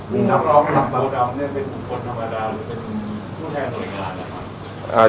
นี่นำรอบในหลักโปรดัมเป็นผู้คนธรรมดาหรือเป็นผู้แทนตัวเองราชนะครับ